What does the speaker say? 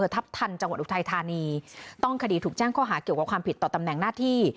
ทัพทันจังหวัดอุทัยธานีต้องคดีถูกแจ้งข้อหาเกี่ยวกับความผิดต่อตำแหน่งหน้าที่